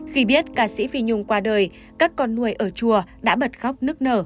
khi biết ca sĩ phi nhung qua đời các con nuôi ở chùa đã bật khóc nức nở